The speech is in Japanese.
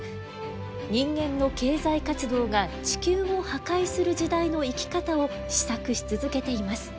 人間の経済活動が地球を破壊する時代の生き方を思索し続けています。